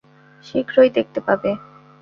শীঘ্রই দেখতে পাবে।